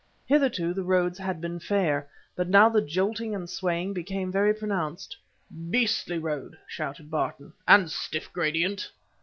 Hitherto, the roads had been fair, but now the jolting and swaying became very pronounced. "Beastly road!" shouted Barton "and stiff gradient!"